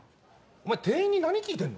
お前店員に何聞いてんの？